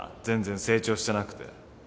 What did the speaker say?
全然成長してなくて。